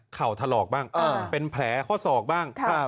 ถลอกบ้างเป็นแผลข้อศอกบ้าง